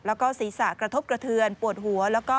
แล้วก็ศีรษะกระทบกระเทือนปวดหัว